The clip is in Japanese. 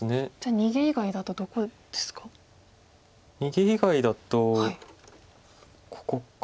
逃げ以外だとここかな。